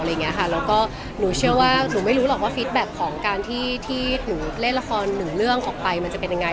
แล้วก็หนูเชื่อว่าหนูไม่รู้หรอกว่าฟิตแบคของการที่หนูเล่นละครหนึ่งเรื่องออกไปมันจะเป็นยังไง